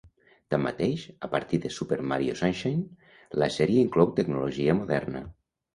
Tanmateix, a partir de "Super Mario Sunshine", la sèrie inclou tecnologia moderna.